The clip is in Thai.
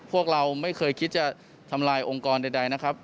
พวกเราไม่เคยคิดจะทำลายองค์กรใดนะครับ